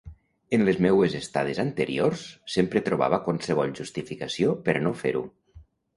En les meues estades anteriors, sempre trobava qualsevol justificació per a no fer-ho.